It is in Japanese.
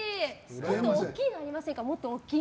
もっと大きいのありませんか？